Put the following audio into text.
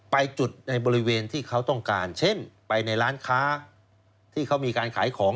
ไปจุดในบริเวณที่เขาต้องการเช่นไปในร้านค้าที่เขามีการขายของ